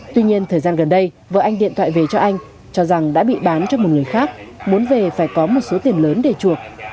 tuy nhiên thời gian gần đây vợ anh điện thoại về cho anh cho rằng đã bị bán cho một người khác muốn về phải có một số tiền lớn để chuộc